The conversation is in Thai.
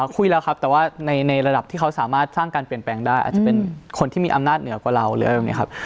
คุยแล้วครับแต่ว่าในระดับที่เขาสามารถสร้างการเปลี่ยนแปลงได้อาจจะเป็นคนที่มีอำนาจเหนือกว่าเราหรืออะไรแบบนี้ครับ